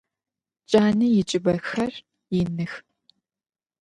Cane yicıbexer yinıx.